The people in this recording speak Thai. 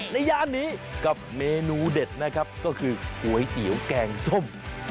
ย่านนี้กับเมนูเด็ดนะครับก็คือก๋วยเตี๋ยวแกงส้ม